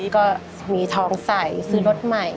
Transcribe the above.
ก็มีทองใส่ซื้อรถใหม่